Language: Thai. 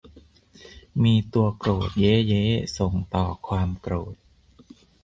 มีตัวโกรธ เย้ เย้ ส่งต่อความโกรธ